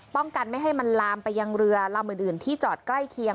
กันไม่ให้มันลามไปยังเรือลำอื่นที่จอดใกล้เคียง